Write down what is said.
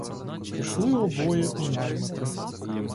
Пішли обоє у наймити.